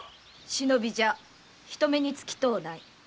しのびじゃ人目につきとうない。